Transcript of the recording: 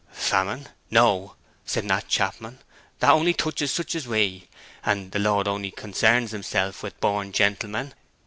'Famine no!' said Nat Chapman. 'That only touches such as we, and the Lord only consarns himself with born gentlemen.